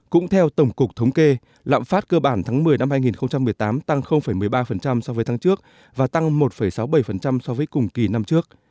cũng theo tổng cục thống kê lạm phát cơ bản tháng một mươi năm hai nghìn một mươi tám tăng một mươi ba so với tháng trước và tăng một sáu mươi bảy so với cùng kỳ năm trước